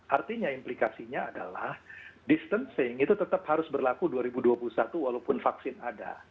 artinya implikasinya adalah distancing itu tetap harus berlaku dua ribu dua puluh satu walaupun vaksin ada